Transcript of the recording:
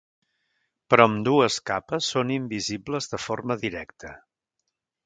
Però ambdues capes són invisibles de forma directa.